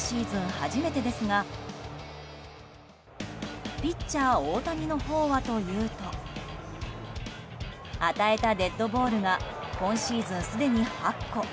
初めてですがピッチャー大谷のほうはというと与えたデッドボールが今シーズンすでに８個。